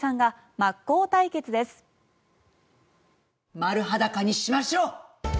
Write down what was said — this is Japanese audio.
丸裸にしましょう。